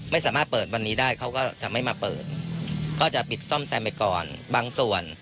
ไม่สามารถเปิดวันนี้ได้เขาก็จะไม่มาเปิดก็จะปิดซ่อมแซมไปก่อนบางส่วน